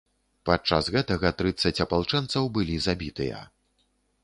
Падчас гэтага, трыццаць апалчэнцаў былі забітыя.